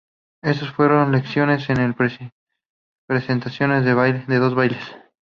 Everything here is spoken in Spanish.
Estos fueron lecciones en y presentaciones de dos bailes.